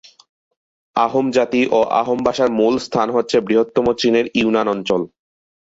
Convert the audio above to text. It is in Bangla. আহোম জাতি ও আহোম ভাষার মুল স্থান হচ্ছে বৃহত্তম চীনের ইউনান অঞ্চল।